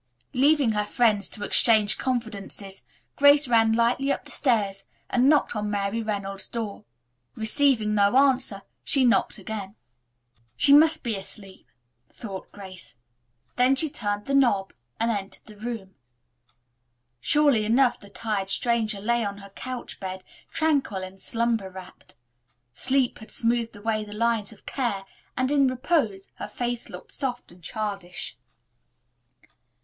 Leaving her friends to exchange confidences, Grace ran lightly up the stairs and knocked on Mary Reynolds' door. Receiving no answer, she knocked again. "She must be asleep," thought Grace. Then she turned the knob and entered the room. Surely enough the tired stranger lay on her couch bed, tranquil and slumber wrapped. Sleep had smoothed away the lines of care and, in repose, her face looked soft and childish.